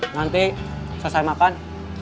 nanti selesai makan